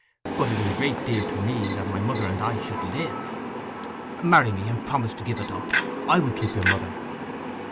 But it is a great deal to me that my mother and I should live.' 'Marry me, and promise to give it up. I will keep your mother.